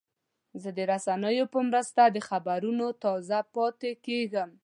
زه د رسنیو په مرسته د خبرونو تازه پاتې کېږم.